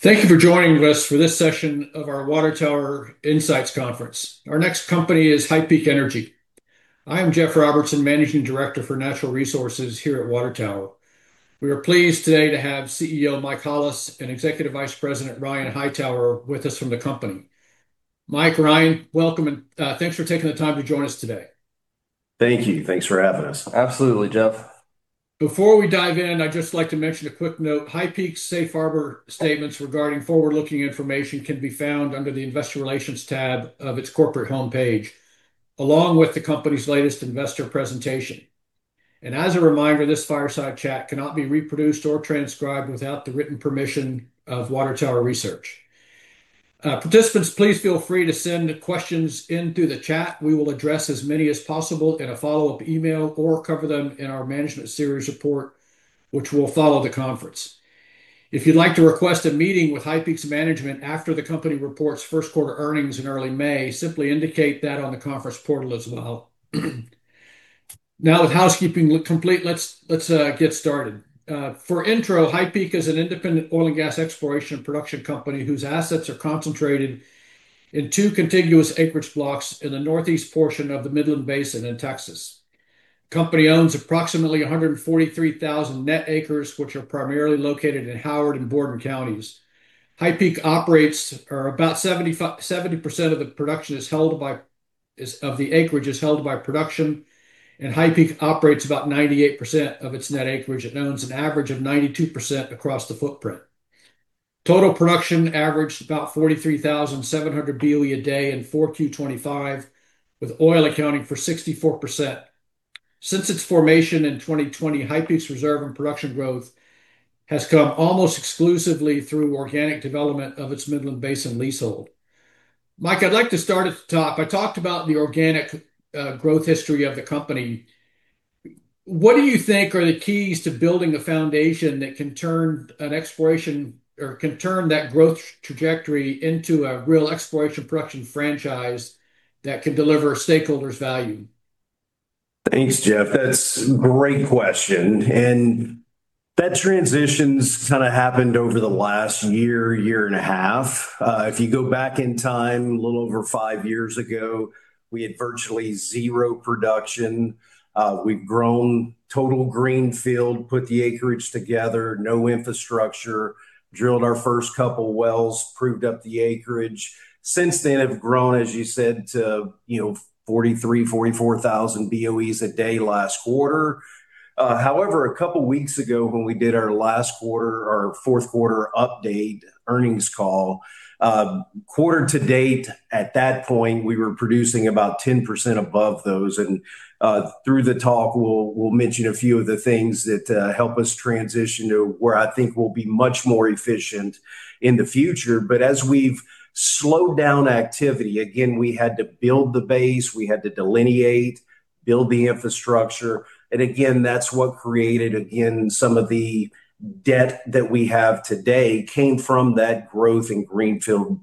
Thank you for joining us for this session of our Water Tower Insights Conference. Our next company is HighPeak Energy. I'm Jeff Robertson, Managing Director for Natural Resources here at Water Tower. We are pleased today to have CEO Mike Hollis, and Executive Vice President Ryan Hightower, with us from the company. Mike, Ryan. Welcome, and thanks for taking the time to join us today. Thank you. Thanks for having us. Absolutely, Jeff. Before we dive in, I'd just like to mention a quick note. HighPeak's safe harbor statements regarding forward-looking information can be found under the Investor Relations tab of its corporate homepage, along with the company's latest investor presentation. As a reminder, this fireside chat cannot be reproduced or transcribed without the written permission of Water Tower Research. Participants, please feel free to send questions in through the chat. We will address as many as possible in a follow-up email or cover them in our management series report, which will follow the conference. If you'd like to request a meeting with HighPeak's management after the company reports first quarter earnings in early May, simply indicate that on the conference portal as well. Now, with housekeeping complete, let's get started. For intro, HighPeak is an independent oil and gas exploration production company whose assets are concentrated in two contiguous acreage blocks in the northeast portion of the Midland Basin in Texas. The company owns approximately 143,000 net acres, which are primarily located in Howard and Borden counties. About 70% of the acreage is held by production, and HighPeak operates about 98% of its net acreage. It owns an average of 92% across the footprint. Total production averaged about 43,700 BOE a day in 4Q 2025, with oil accounting for 64%. Since its formation in 2020, HighPeak's reserve and production growth has come almost exclusively through organic development of its Midland Basin leasehold. Mike, I'd like to start at the top. I talked about the organic growth history of the company. What do you think are the keys to building a foundation that can turn that growth trajectory into a real exploration production franchise that can deliver stakeholders value? Thanks, Jeff. That's a great question, and that transition's happened over the last year, 1.5 years. If you go back in time a little over five years ago, we had virtually zero production. We've grown total greenfield, put the acreage together, no infrastructure, drilled our first couple wells, proved up the acreage. Since then, have grown, as you said to 43,000 BOEs, 44,000 BOEs a day last quarter. However, a couple of weeks ago when we did our last quarter, our fourth quarter update earnings call. Quarter-to-date, at that point, we were producing about 10% above those. Through the talk, we'll mention a few of the things that help us transition to where I think we'll be much more efficient in the future. As we've slowed down activity, again, we had to build the base, we had to delineate, build the infrastructure. That's what created some of the debt that we have today came from that growth in greenfield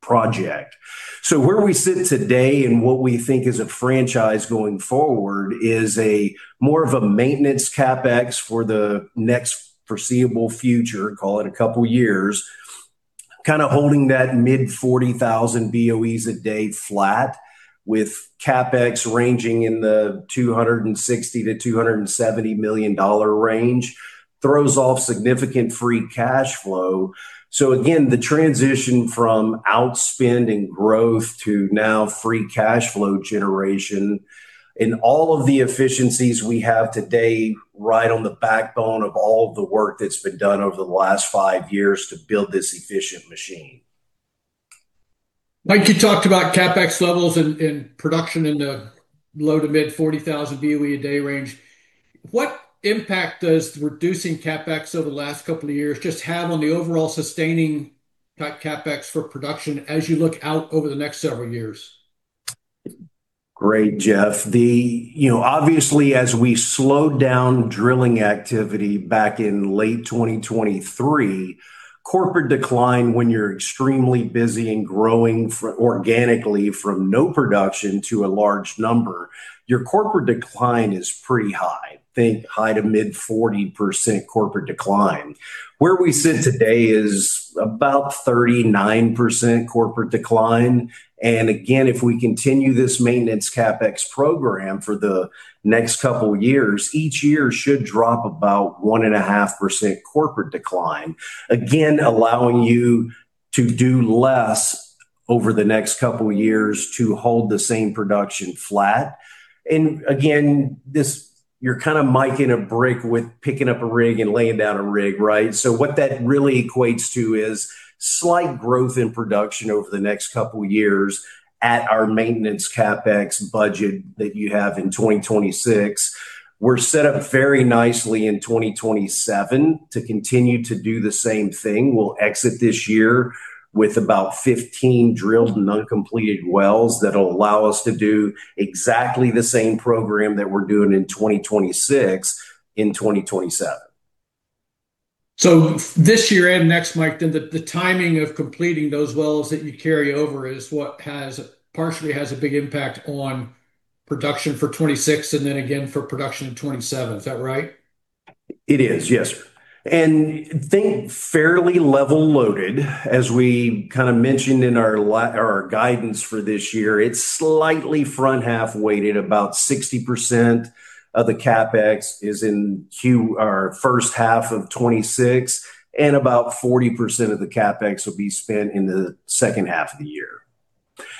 project. Where we sit today and what we think is a franchise going forward is more of a maintenance CapEx for the next foreseeable future. Call it a couple of years. Kind of holding that mid-40,000 BOEs a day flat with CapEx ranging in the $260 million-$270 million range, throws off significant free cash flow. Again, the transition from outspend and growth to now free cash flow generation and all of the efficiencies we have today ride on the backbone of all the work that's been done over the last five years to build this efficient machine. Mike, you talked about CapEx levels and production in the low to mid-40,000 BOE a day range. What impact does reducing CapEx over the last couple of years just have on the overall sustaining CapEx for production as you look out over the next several years? Great, Jeff. Obviously, as we slowed down drilling activity back in late 2023, corporate decline when you're extremely busy and growing organically from no production to a large number, your corporate decline is pretty high. Think high- to mid-40% corporate decline. Where we sit today is about 39% corporate decline. If we continue this maintenance CapEx program for the next couple of years, each year should drop about 1.5% corporate decline. Again, allowing you to do less over the next couple of years to hold the same production flat. You're kinda making a [bet] with picking up a rig and laying down a rig, right? What that really equates to is slight growth in production over the next couple of years at our maintenance CapEx budget that you have in 2026. We're set up very nicely in 2027 to continue to do the same thing. We'll exit this year with about 15 drilled but uncompleted wells that'll allow us to do exactly the same program that we're doing in 2026, in 2027. This year and next, Mike, then the timing of completing those wells that you carry over is what partially has a big impact on production for 2026 and then again for production in 2027. Is that right? It is, yes. Think fairly level loaded, as we mentioned in our guidance for this year. It's slightly front half weighted. About 60% of the CapEx is in first half of 2026, and about 40% of the CapEx will be spent in the second half of the year.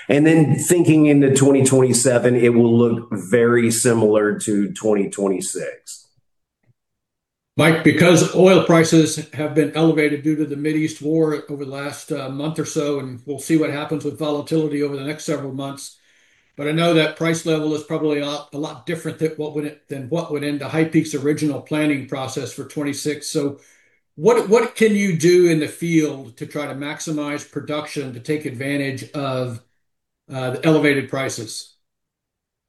Thinking into 2027, it will look very similar to 2026. Mike, because oil prices have been elevated due to the Middle East war over the last month or so. We'll see what happens with volatility over the next several months, but I know that price level is probably a lot different than what went into HighPeak's original planning process for 2026. What can you do in the field to try to maximize production to take advantage of the elevated prices?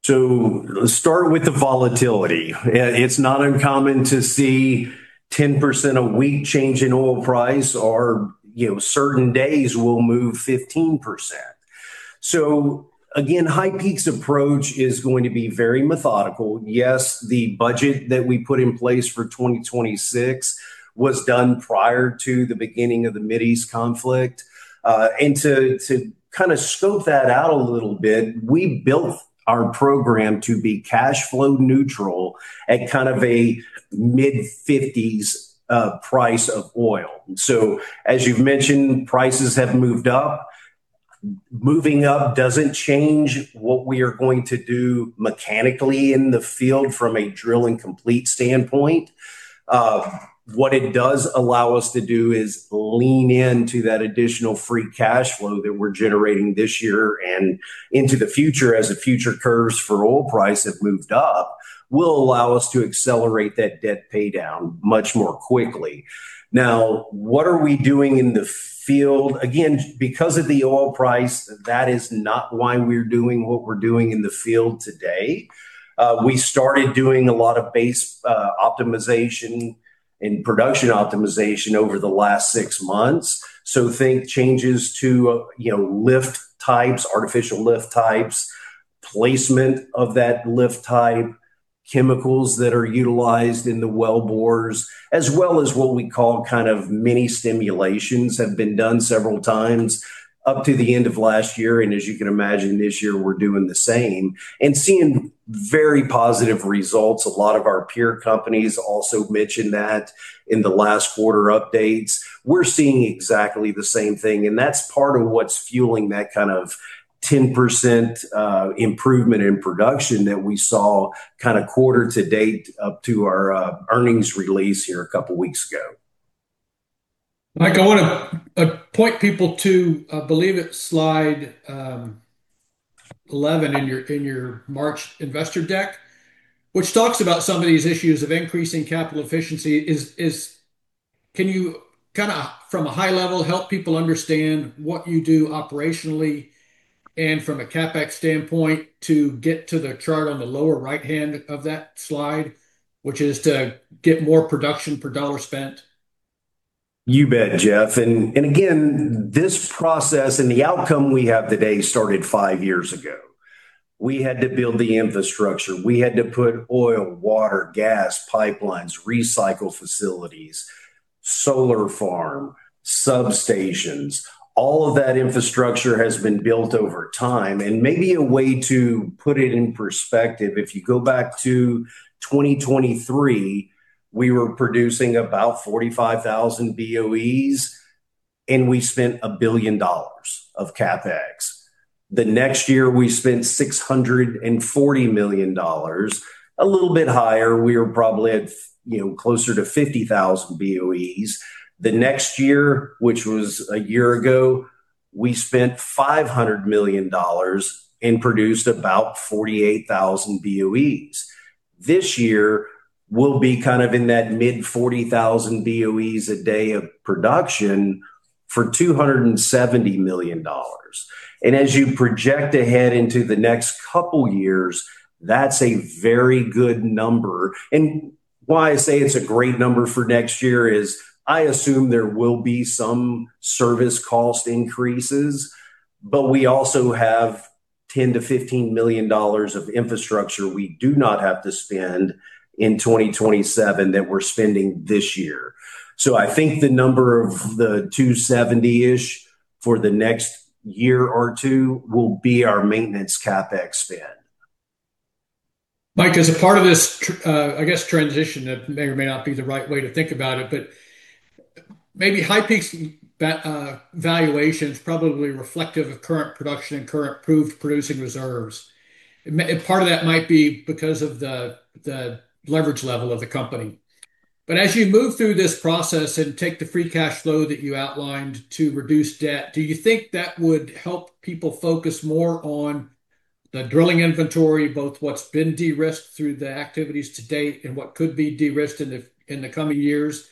Let's start with the volatility. It's not uncommon to see 10% a week change in oil price or certain days will move 15%. Again, HighPeak's approach is going to be very methodical. Yes, the budget that we put in place for 2026 was done prior to the beginning of the Mideast conflict. To scope that out a little bit, we built our program to be cash flow neutral at a mid-$50s price of oil. As you've mentioned, prices have moved up. Moving up doesn't change what we are going to do mechanically in the field from a drill and complete standpoint. What it does allow us to do is lean into that additional free cash flow that we're generating this year and into the future, as the future curves for oil price have moved up, will allow us to accelerate that debt paydown much more quickly. Now, what are we doing in the field? Again, because of the oil price, that is not why we're doing what we're doing in the field today. We started doing a lot of base optimization and production optimization over the last six months. Think changes to lift types, artificial lift types, placement of that lift type, chemicals that are utilized in the wellbores, as well as what we call mini stimulations have been done several times up to the end of last year. As you can imagine, this year we're doing the same and seeing very positive results. A lot of our peer companies also mentioned that in the last quarter updates. We're seeing exactly the same thing, and that's part of what's fueling that kind of 10% improvement in production that we saw quarter-to-date up to our earnings release here a couple of weeks ago. Mike, I want to point people to, I believe it's slide 11 in your March investor deck, which talks about some of these issues of increasing capital efficiency. Can you, from a high level, help people understand what you do operationally and from a CapEx standpoint to get to the chart on the lower right-hand of that slide, which is to get more production per dollar spent? You bet, Jeff. Again, this process and the outcome we have today started five years ago. We had to build the infrastructure. We had to put oil, water, gas pipelines, recycle facilities, solar farm, substations. All of that infrastructure has been built over time. Maybe a way to put it in perspective, if you go back to 2023, we were producing about 45,000 BOEs, and we spent $1 billion of CapEx. The next year, we spent $640 million, a little bit higher. We were probably at closer to 50,000 BOEs. The next year, which was a year ago, we spent $500 million and produced about 48,000 BOEs. This year, we'll be in that mid-40,000 BOEs a day of production for $270 million. As you project ahead into the next couple years, that's a very good number. Why I say it's a great number for next year is I assume there will be some service cost increases, but we also have $10 million-$15 million of infrastructure we do not have to spend in 2027 that we're spending this year. I think the number of the $270 million-ish for the next year or two will be our maintenance CapEx spend. Mike. As a part of this, I guess, transition that may or may not be the right way to think about it, but maybe HighPeak's valuation is probably reflective of current production and current proved producing reserves. Part of that might be because of the leverage level of the company. As you move through this process and take the free cash flow that you outlined to reduce debt, do you think that would help people focus more on the drilling inventory, both what's been de-risked through the activities to date and what could be de-risked in the coming years,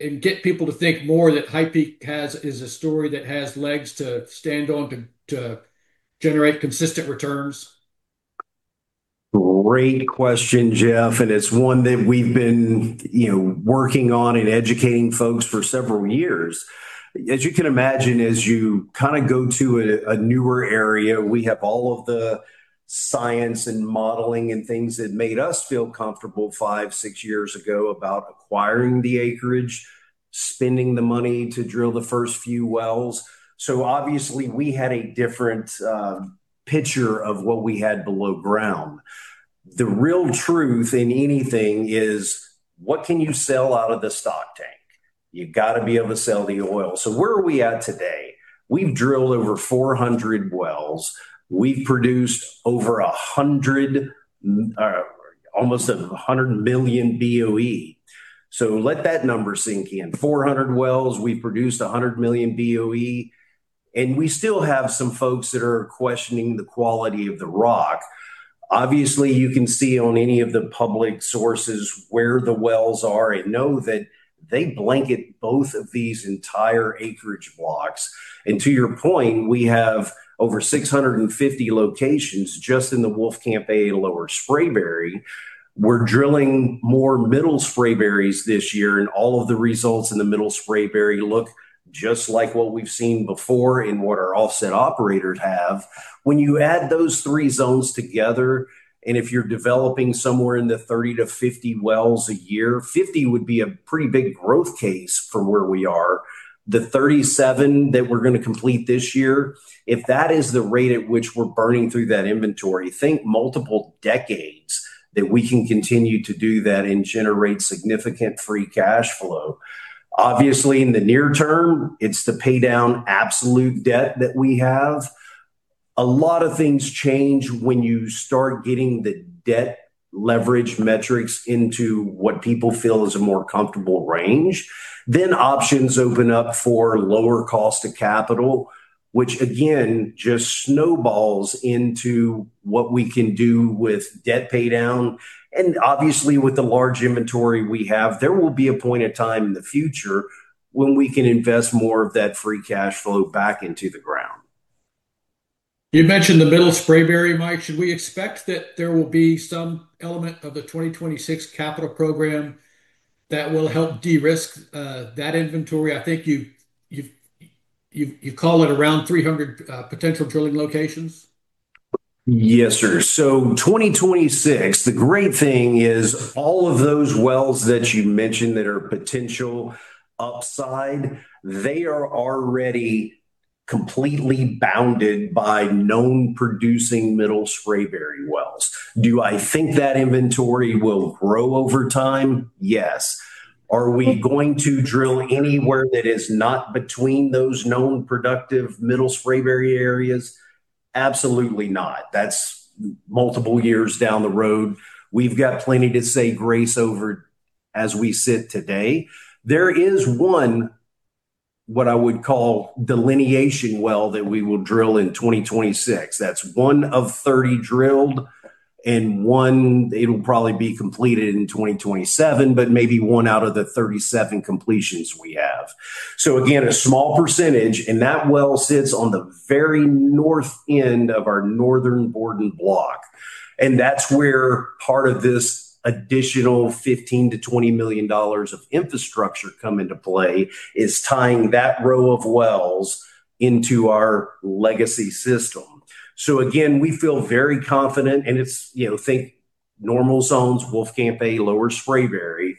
and get people to think more that HighPeak is a story that has legs to stand on to generate consistent returns? Great question, Jeff. It's one that we've been working on and educating folks for several years. As you can imagine, as you go to a newer area, we have all of the science and modeling and things that made us feel comfortable five, six years ago about acquiring the acreage, spending the money to drill the first few wells. Obviously, we had a different picture of what we had below ground. The real truth in anything is what can you sell out of the stock tank? You've got to be able to sell the oil. Where are we at today? We've drilled over 400 wells. We've produced over almost 100 million BOE. Let that number sink in. 400 wells, we've produced 100 million BOE, and we still have some folks that are questioning the quality of the rock. Obviously, you can see on any of the public sources where the wells are and know that they blanket both of these entire acreage blocks. To your point, we have over 650 locations just in the Wolfcamp A, Lower Spraberry. We're drilling more Middle Spraberry this year, and all of the results in the Middle Spraberry look just like what we've seen before and what our offset operators have. When you add those three zones together, and if you're developing somewhere in the 30-50 wells a year, 50 wells would be a pretty big growth case for where we are. The 37 wells that we're going to complete this year, if that is the rate at which we're burning through that inventory, think multiple decades that we can continue to do that and generate significant free cash flow. Obviously, in the near term, it's to pay down absolute debt that we have. A lot of things change when you start getting the debt leverage metrics into what people feel is a more comfortable range. Options open up for lower cost of capital, which again, just snowballs into what we can do with debt pay down. Obviously with the large inventory we have, there will be a point of time in the future when we can invest more of that free cash flow back into the ground. You mentioned the Middle Spraberry, Mike. Should we expect that there will be some element of the 2026 capital program that will help de-risk that inventory? I think you call it around 300 potential drilling locations. Yes, sir. 2026, the great thing is all of those wells that you mentioned that are potential upside, they are already completely bounded by known producing Middle Spraberry wells. Do I think that inventory will grow over time? Yes. Are we going to drill anywhere that is not between those known productive Middle Spraberry areas? Absolutely not. That's multiple years down the road. We've got plenty to say grace over as we sit today. There is one, what I would call delineation well that we will drill in 2026. That's one of 30 drilled, and one, it'll probably be completed in 2027, but maybe one out of the 37 completions we have. A small percentage, and that well sits on the very north end of our northern Borden block. That's where part of this additional $15 million-$20 million of infrastructure come into play, is tying that row of wells into our legacy system. We feel very confident and think normal zones, Wolfcamp A, Lower Spraberry.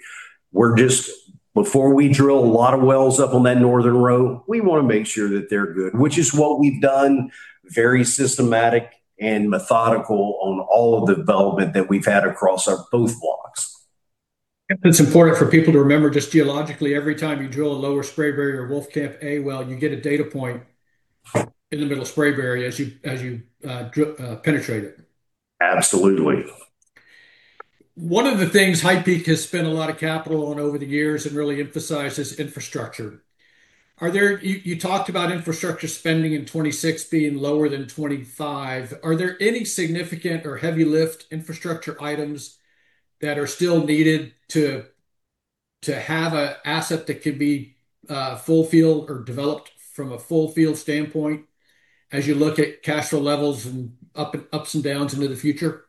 Before we drill a lot of wells up on that northern row, we want to make sure that they're good, which is what we've done, very systematic and methodical on all of the development that we've had across our both blocks. It's important for people to remember, just geologically, every time you drill a Lower Spraberry or Wolfcamp A well, you get a data point in the Middle Spraberry as you penetrate it. Absolutely. One of the things HighPeak has spent a lot of capital on over the years and really emphasized is infrastructure. You talked about infrastructure spending in 2026 being lower than 2025. Are there any significant or heavy lift infrastructure items that are still needed to have an asset that could be full field or developed from a full field standpoint as you look at cash flow levels and ups and downs into the future?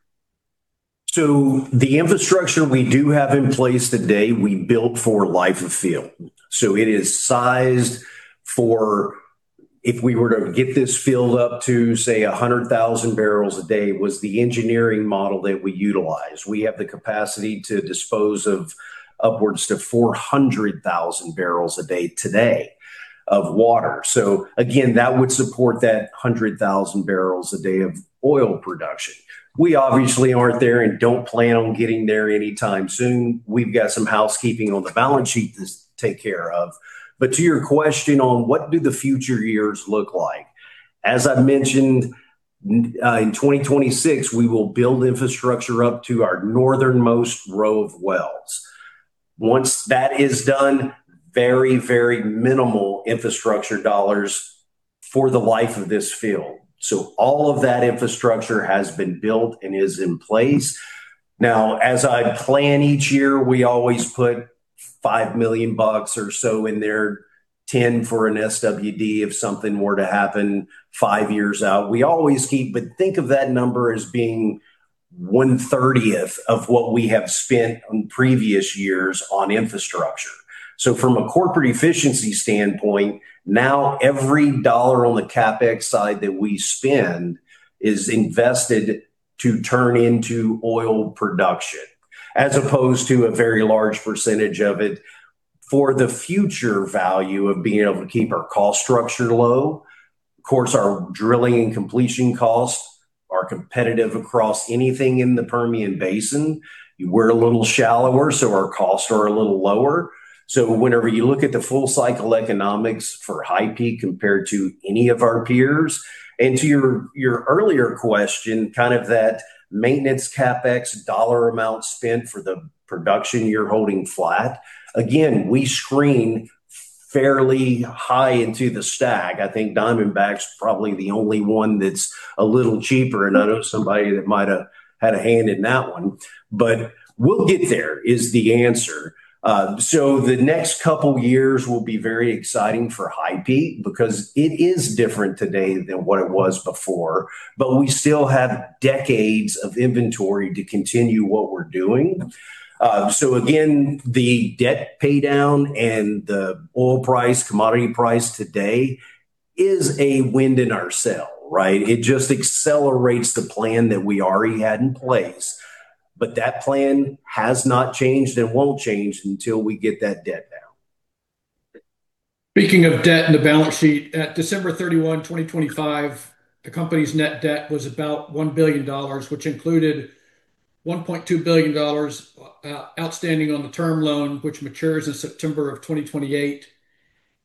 The infrastructure we do have in place today, we built for life of field. It is sized for if we were to get this field up to, say, 100,000 bpd, was the engineering model that we utilized. We have the capacity to dispose of upwards to 400,000 bpd today of water. Again, that would support that 100,000 bpd of oil production. We obviously aren't there and don't plan on getting there anytime soon. We've got some housekeeping on the balance sheet that's to take care of. To your question on what do the future years look like? As I've mentioned, in 2026, we will build infrastructure up to our northernmost row of wells. Once that is done, very, very minimal infrastructure dollars for the life of this field. All of that infrastructure has been built and is in place. Now, as I plan each year, we always put $5 million or so in there, $10 million for an SWD if something were to happen five years out. We always keep, but think of that number as being 1/30 of what we have spent in previous years on infrastructure. From a corporate efficiency standpoint, now every dollar on the CapEx side that we spend is invested to turn into oil production, as opposed to a very large percentage of it for the future value of being able to keep our cost structure low. Of course, our drilling and completion costs are competitive across anything in the Permian Basin. We're a little shallower, so our costs are a little lower. Whenever you look at the full cycle economics for HighPeak compared to any of our peers, and to your earlier question, that maintenance CapEx dollar amount spent for the production you're holding flat. Again, we screen fairly high into the stack. I think Diamondback's probably the only one that's a little cheaper. I know somebody that might have had a hand in that one. We'll get there, is the answer. The next couple years will be very exciting for HighPeak because it is different today than what it was before. We still have decades of inventory to continue what we're doing. Again, the debt pay down and the oil price, commodity price today is a wind in our sail, right? It just accelerates the plan that we already had in place. That plan has not changed and won't change until we get that debt down. Speaking of debt and the balance sheet. At December 31, 2025, the company's net debt was about $1 billion, which included $1.2 billion outstanding on the term loan, which matures in September of 2028,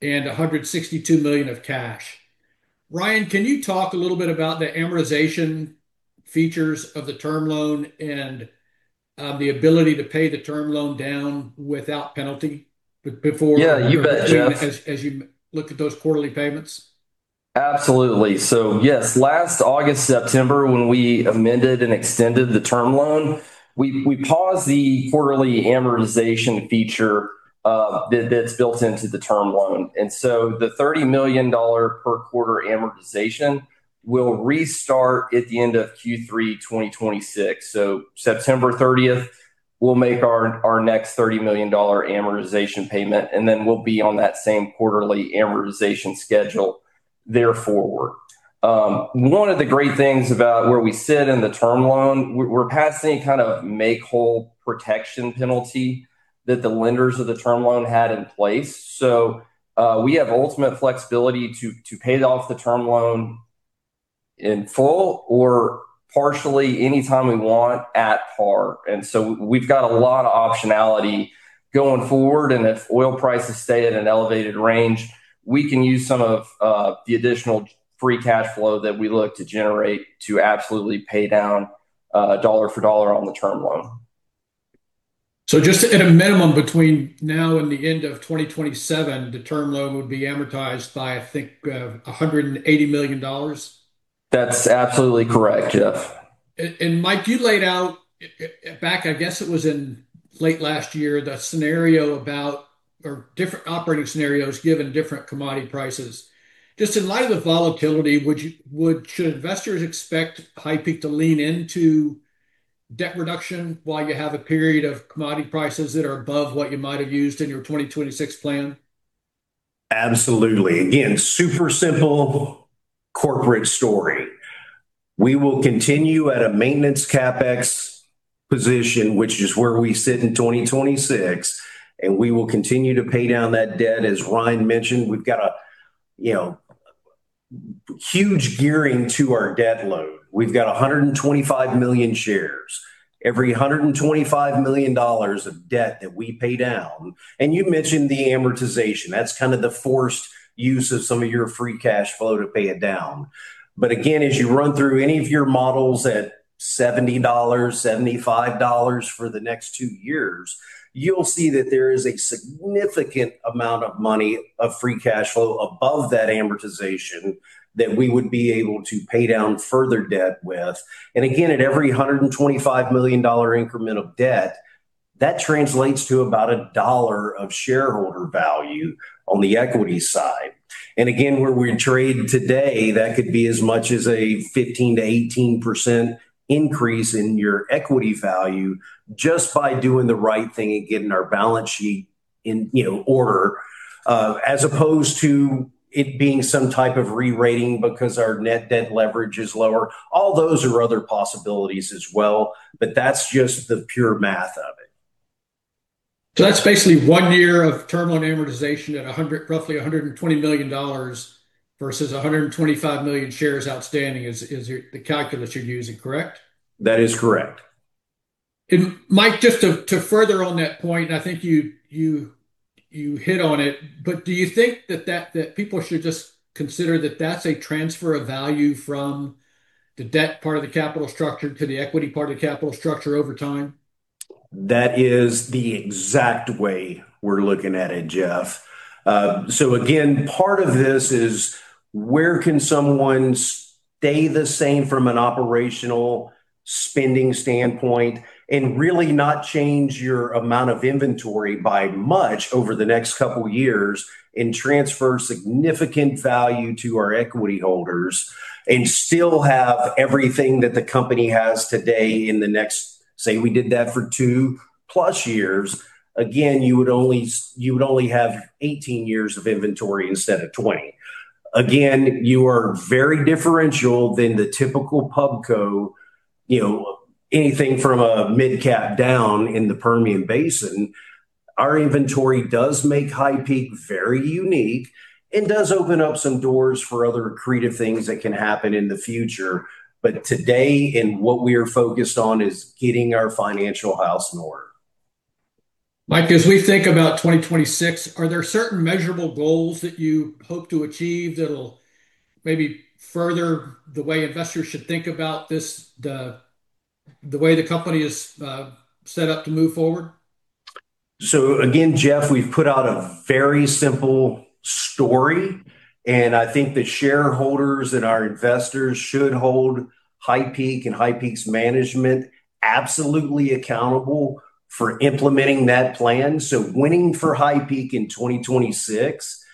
and $162 million of cash. Ryan, can you talk a little bit about the amortization features of the term loan and the ability to pay the term loan down without penalty before- Yeah. You bet, Jeff.... as you look at those quarterly payments? Absolutely. Yes, last August, September when we amended and extended the term loan, we paused the quarterly amortization feature that's built into the term loan. The $30 million per quarter amortization will restart at the end of Q3 2026. September 30th, we'll make our next $30 million amortization payment, and then we'll be on that same quarterly amortization schedule thereafterward. One of the great things about where we sit in the term loan, we're past any kind of make-whole protection penalty that the lenders of the term loan had in place. We have ultimate flexibility to pay off the term loan in full or partially anytime we want at par. We've got a lot of optionality going forward, and if oil prices stay at an elevated range, we can use some of the additional free cash flow that we look to generate to absolutely pay down dollar for dollar on the term loan. So just at a minimum between now and the end of 2027, the term loan would be amortized by, I think, $180 million? That's absolutely correct, Jeff. Mike, you laid out back I guess it was in late last year, the scenario about or different operating scenarios given different commodity prices. Just in light of the volatility, should investors expect HighPeak to lean into debt reduction while you have a period of commodity prices that are above what you might have used in your 2026 plan? Absolutely. Again, super simple corporate story. We will continue at a maintenance CapEx position, which is where we sit in 2026, and we will continue to pay down that debt. As Ryan mentioned, we've got a huge gearing to our debt load. We've got 125 million shares. Every $125 million of debt that we pay down, and you mentioned the amortization, that's kind of the forced use of some of your free cash flow to pay it down. Again, as you run through any of your models at $70, $75 for the next two years, you'll see that there is a significant amount of money of free cash flow above that amortization that we would be able to pay down further debt with. Again, at every $125 million increment of debt, that translates to about $1 of shareholder value on the equity side. Again, where we trade today, that could be as much as a 15%-18% increase in your equity value just by doing the right thing and getting our balance sheet in order, as opposed to it being some type of re-rating because our net debt leverage is lower. All those are other possibilities as well. That's just the pure math of it. That's basically one year of term loan amortization at roughly $120 million versus 125 million shares outstanding, is the calculus you're using, correct? That is correct. Mike, just to further on that point, and I think you hit on it, but do you think that people should just consider that that's a transfer of value from the debt part of the capital structure to the equity part of the capital structure over time? That is the exact way we're looking at it, Jeff. Again, part of this is where can someone stay the same from an operational spending standpoint, and really not change your amount of inventory by much over the next couple years and transfer significant value to our equity holders and still have everything that the company has today in the next, say, we did that for 2+ years. Again, you would only have 18 years of inventory instead of 20 years. Again, you are very differentiated than the typical pub co. Anything from a mid-cap down in the Permian Basin. Our inventory does make HighPeak very unique and does open up some doors for other creative things that can happen in the future. Today, and what we are focused on, is getting our financial house in order. Mike, as we think about 2026, are there certain measurable goals that you hope to achieve that'll maybe further the way investors should think about the way the company is set up to move forward? Again, Jeff, we've put out a very simple story, and I think the shareholders and our investors should hold HighPeak and HighPeak's management absolutely accountable for implementing that plan. Winning for HighPeak in 2026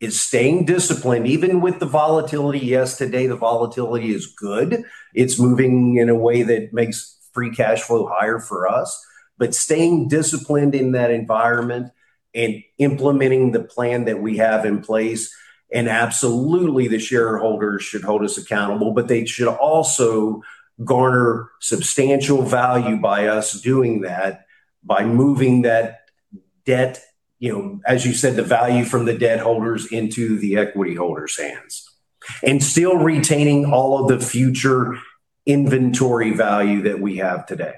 is staying disciplined, even with the volatility. Yes, today, the volatility is good. It's moving in a way that makes free cash flow higher for us. Staying disciplined in that environment and implementing the plan that we have in place, and absolutely, the shareholders should hold us accountable, but they should also garner substantial value by us doing that, by moving that debt, as you said, the value from the debt holders into the equity holders' hands and still retaining all of the future inventory value that we have today.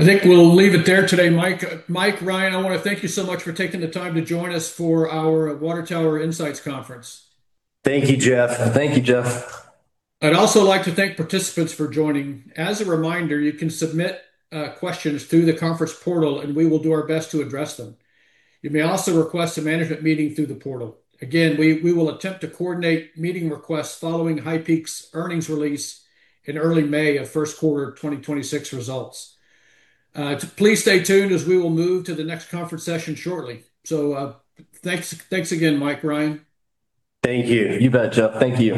I think we'll leave it there today, Mike. Mike, Ryan, I want to thank you so much for taking the time to join us for our Water Tower Insights Conference. Thank you, Jeff. Thank you, Jeff. I'd also like to thank participants for joining. As a reminder, you can submit questions through the conference portal, and we will do our best to address them. You may also request a management meeting through the portal. Again, we will attempt to coordinate meeting requests following HighPeak's earnings release in early May of first quarter 2026 results. Please stay tuned as we will move to the next conference session shortly. Thanks again, Mike, Ryan. Thank you. You bet, Jeff. Thank you.